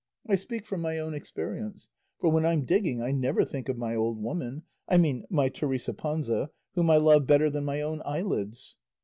I speak from my own experience; for when I'm digging I never think of my old woman; I mean my Teresa Panza, whom I love better than my own eyelids."